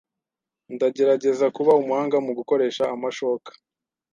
Ndagerageza kuba umuhanga mugukoresha amashoka.